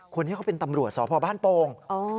คนนี้เขาเป็นตำรวจสพบ้านโป่ง